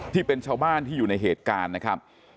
ที่เป็นชาวบ้านที่อยู่ในเหตุการณ์นะครับ